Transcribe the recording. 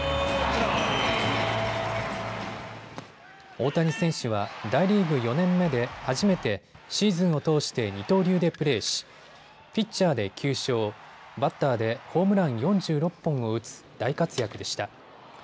大谷選手は大リーグ４年目で初めてシーズンを通して二刀流でプレーし、ピッチャーで９勝、バッターでホームラン４６本を打つ大活躍でした。